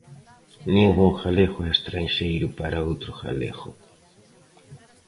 Ningún galego é estranxeiro para outro galego.